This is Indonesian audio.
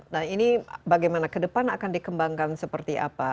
nah ini bagaimana ke depan akan dikembangkan seperti apa